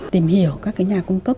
tìm hiểu các cái nhà cung cấp